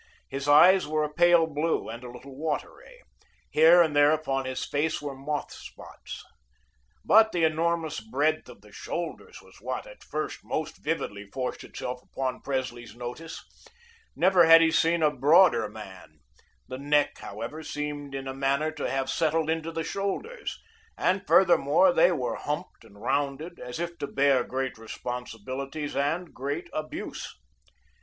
His eyes were a pale blue, and a little watery; here and there upon his face were moth spots. But the enormous breadth of the shoulders was what, at first, most vividly forced itself upon Presley's notice. Never had he seen a broader man; the neck, however, seemed in a manner to have settled into the shoulders, and furthermore they were humped and rounded, as if to bear great responsibilities, and great abuse.